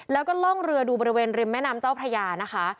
แล้วก็ล่องเรือดูบริเวณริมแม่น้ำเจ้าพระยานะคะ